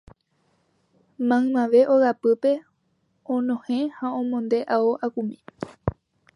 Maymave ogapýpe onohẽ ha omonde ao akumi